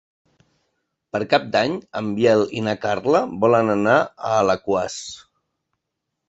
Per Cap d'Any en Biel i na Carla volen anar a Alaquàs.